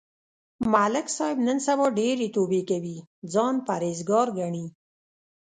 ملک صاحب نن سبا ډېرې توبې کوي، ځان پرهېز گار گڼي.